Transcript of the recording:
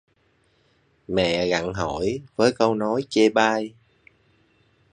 Mẹ gặng hỏi với câu nói chê bai